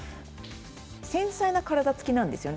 繊細な体つきなんですね